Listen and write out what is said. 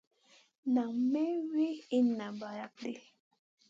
Nam may wi inna balakŋ ɗi.